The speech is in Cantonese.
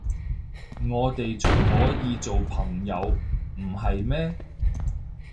我哋都仲可以做朋友，唔係咩？